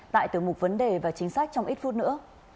tại tiểu mục vấn đề và chính sách trong ít phút nữa